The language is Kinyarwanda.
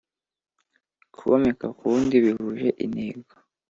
Kuwomeka ku wundi bihuje intego